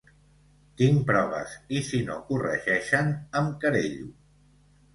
Tinc proves i si no corregeixen em querello.